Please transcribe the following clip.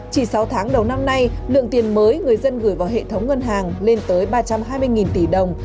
chỉ sáu tháng đầu năm nay lượng tiền mới người dân gửi vào hệ thống ngân hàng lên tới ba trăm hai mươi tỷ đồng